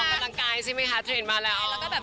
ออกกำลังกายใช่ไหมคะทรีนมาแล้ว